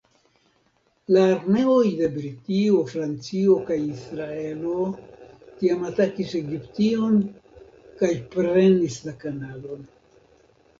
La armeoj de Britio, Francio kaj Israelo tiam atakis Egiption kaj prenis la kanalon.